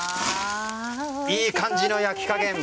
いい感じの焼き加減。